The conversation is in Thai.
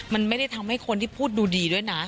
มันไม่ได้ทำให้คนที่พูดดูดีด้วยนะ